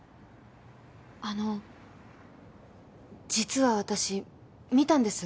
あの実は私見たんです。